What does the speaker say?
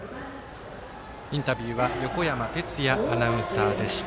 インタビューは横山哲也アナウンサーでした。